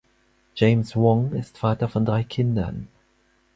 James Wong ist Vater von drei Kindern.